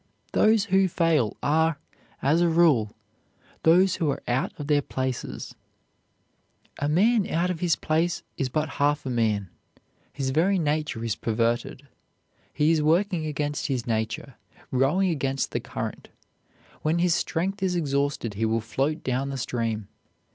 Those who fail are, as a rule, those who are out of their places. A man out of his place is but half a man; his very nature is perverted. He is working against his nature, rowing against the current. When his strength is exhausted he will float down the stream.